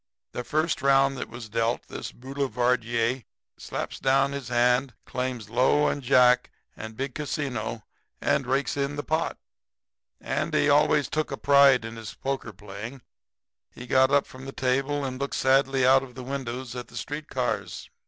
"The first round that was dealt, this boulevardier slaps down his hand, claims low and jack and big casino and rakes in the pot. "Andy always took a pride in his poker playing. He got up from the table and looked sadly out of the window at the street cars.